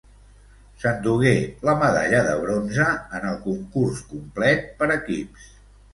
S'endugué la medalla de bronze en el concurs complet per equips.